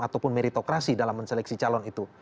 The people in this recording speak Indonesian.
ataupun meritokrasi dalam menseleksi calon itu